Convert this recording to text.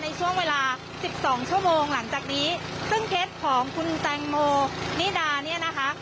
ในช่วงเวลาสิบสองชั่วโมงหลังจากนี้ซึ่งเคสของคุณแตงโมนิดาเนี่ยนะคะ